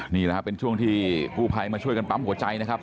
นี่แหละครับเป็นช่วงที่กู้ภัยมาช่วยกันปั๊มหัวใจนะครับ